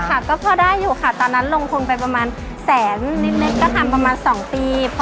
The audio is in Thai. ค่ะก็พอได้อยู่ค่ะตอนนั้นลงทุนไปประมาณแสนนิดก็ทำประมาณ๒ปี